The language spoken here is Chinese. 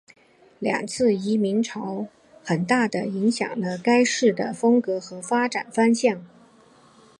两次移民潮很大的影响了该市的风格和发展方向。